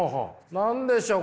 何でしょう？